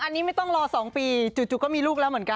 อันนี้ไม่ต้องรอ๒ปีจู่ก็มีลูกแล้วเหมือนกัน